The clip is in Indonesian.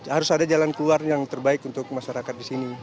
harus ada jalan keluar yang terbaik untuk masyarakat di sini